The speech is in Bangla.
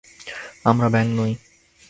আমরা ব্যাঙ নই।